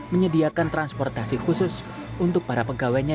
menyediakan transportasi khusus untuk para pegawainya